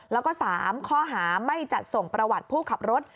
แล้วก็๓ข้อหาไม่จัดส่งประวัติผู้ขับรถ